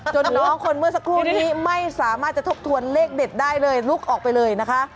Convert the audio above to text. น้องคนเมื่อสักครู่นี้ไม่สามารถจะทบทวนเลขเด็ดได้เลยลุกออกไปเลยนะคะ